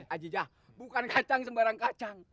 ajijah bukan kacang sembarang kacang